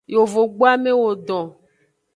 Yovogbu amewo don.